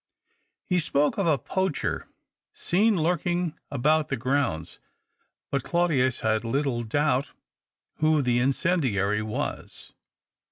He spoke of a poacher seen lurking about the grounds, but Claudius had little doubt who the incendiary was.